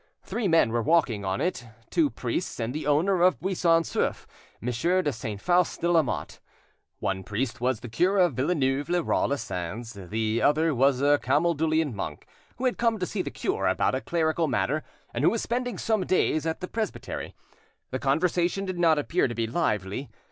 Three men were walking on it two priests, and the owner of Buisson Souef, Monsieur de Saint Faust de Lamotte. One priest was the cure of Villeneuve le Roi lez Sens, the other was a Camaldulian monk, who had come to see the cure about a clerical matter, and who was spending some days at the presbytery. The conversation did not appear to be lively.